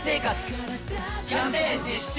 キャンペーン実施中！